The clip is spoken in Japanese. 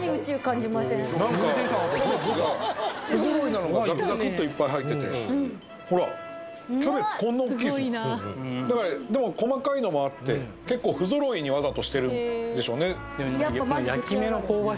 何かキャベツが不揃いなのがザクザクっといっぱい入っててほらキャベツこんな大きいですもんでも細かいのもあって結構不揃いにわざとしてるんでしょうね